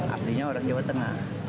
aslinya orang jawa tengah